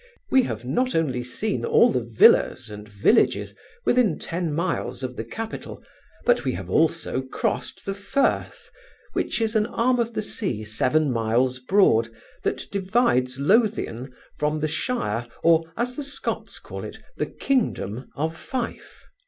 We have not only seen all the villas and villages within ten miles of the capital, but we have also crossed the Firth, which is an arm of the sea seven miles broad, that divides Lothian from the shire, or, as the Scots call it, the kingdom of Fife.